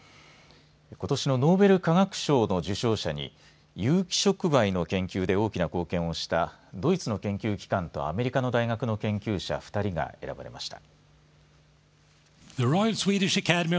ことしのノーベル化学賞の受賞者に有機触媒の研究で大きな貢献をしたドイツの研究機関とアメリカの大学の研究者２人が選ばれました。